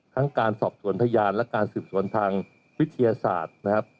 ทั้งการสอบสวนทะยานและการสืบสวนทางวิทยาศาสตร์